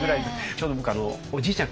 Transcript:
ちょうど僕おじいちゃん